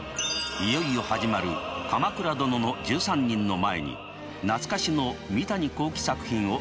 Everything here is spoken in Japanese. いよいよ始まる「鎌倉殿の１３人」の前に懐かしの三谷幸喜作品をスペシャルで。